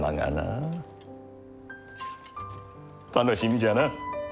楽しみじゃな。